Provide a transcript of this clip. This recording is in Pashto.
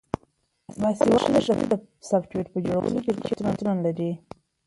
باسواده ښځې د سافټویر جوړولو شرکتونه لري.